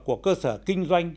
của cơ sở kinh doanh